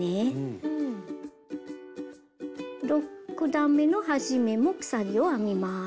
６段めの始めも鎖を編みます。